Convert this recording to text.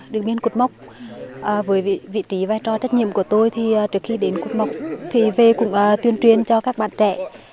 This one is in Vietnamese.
đường biên cột mốc với vị trí vai trò trách nhiệm của tôi thì trước khi đến cột mốc thì về cũng tuyên truyền cho các bạn trẻ